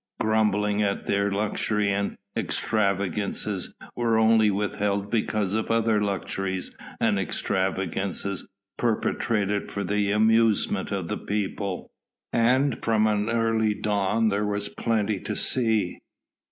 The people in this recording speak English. Grumblings at their luxury and extravagances were only withheld because of other luxuries and extravagances perpetrated for the amusement of the people. And from early dawn there was plenty to see.